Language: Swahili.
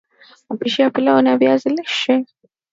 mapishi ya pilau ya viazi lishe